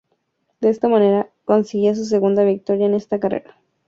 De esta manera, conseguía su segunda victoria en esta carrera.